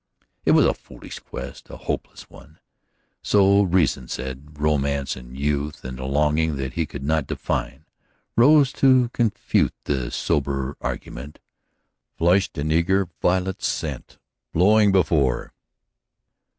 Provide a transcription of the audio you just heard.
It was a foolish quest, a hopeless one. So reason said. Romance and youth, and the longing that he could not define, rose to confute this sober argument, flushed and eager, violet scent blowing before.